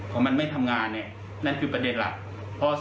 พอมันไม่ทำงานเนี่ยนั่นคือประเด็นหลัก